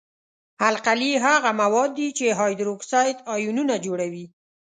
القلي هغه مواد دي چې هایدروکساید آیونونه جوړوي.